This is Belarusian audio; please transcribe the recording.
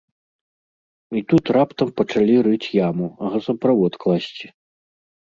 І тут раптам пачалі рыць яму, газаправод класці.